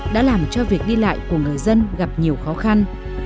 đã làm cho việc đi lại của người dân gặp nhiều khó khăn